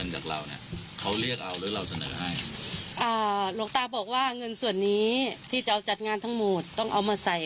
ใช่จังที่เขาพูดถูกต้องไหม